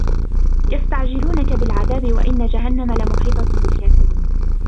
يستعجلونك بالعذاب وإن جهنم لمحيطة بالكافرين